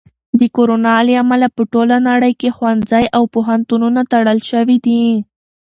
د کرونا له امله په ټوله نړۍ کې ښوونځي او پوهنتونونه تړل شوي دي.